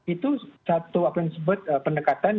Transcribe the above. itu satu pendekatan